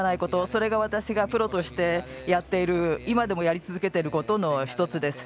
それが、私がプロとして今でもやり続けていることの１つです。